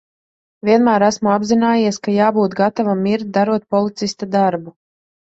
Vienmēr esmu apzinājies, ka jābūt gatavam mirt, darot policista darbu.